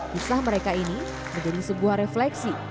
kisah mereka ini menjadi sebuah refleksi